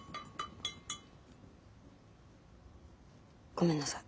ごめんなさい。